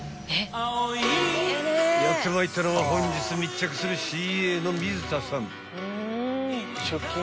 ［やってまいったのは本日密着するＣＡの水田さん］